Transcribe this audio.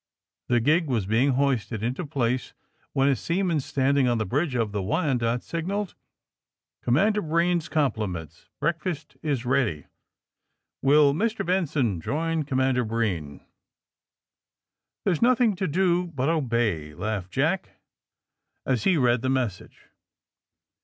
The gig was being koisted into place when a seaman standing on the bridge of the Wyanoke'' signaled: Commander Breen's compliments. Break fast is ready. Will Mr. Benson join Com mander Breen?" There's nothing to do but obey/' laughed Jack, as he read the message.